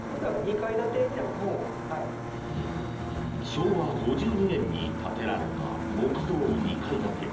昭和５２年に建てられた木造２階建て。